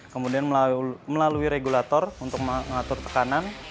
kemudian melalui regulator untuk mengatur tekanan